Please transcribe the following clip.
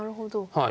はい。